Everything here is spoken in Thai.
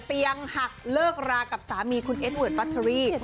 เตียงหักเลิกรากับสามีคุณเอสเวิร์ดบัชเชอรี่